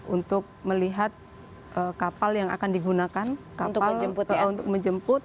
untuk melihat kapal yang akan digunakan untuk menjemput